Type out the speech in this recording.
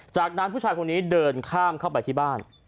จากนั้นผู้ชายคนนี้เดินข้ามเข้าไปที่บ้าน